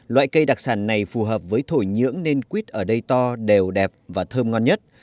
loại cây đặc sản này phù hợp với thổi nhưỡng nên quýt ở đây to đều đẹp và thơm ngon nhất